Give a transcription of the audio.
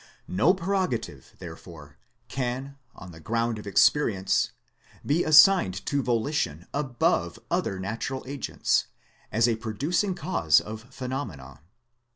No prerogative, therefore, can, on the ground of experience, be assigned to volition above other natural agents, as a producing cause of pheno L 2 150 THETSM mena.